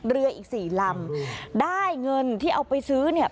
เรืออีกสี่ลำได้เงินที่เอาไปซื้อเนี่ย